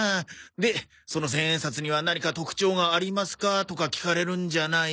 でその千円札には何か特徴がありますか？とか聞かれるんじゃない？